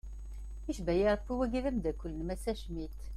Icebbayi rebbi wagi d amdakel n massa Schmitt.